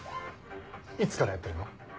いつからやってるの？